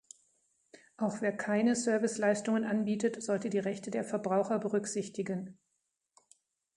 Auch wer keine Serviceleistungen anbietet, sollte die Rechte der Verbraucher berücksichtigen.